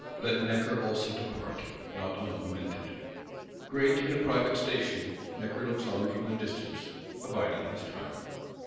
Let Necker also depart; not unlamented. Great in a private station, Necker looks on from the distance; abiding his time.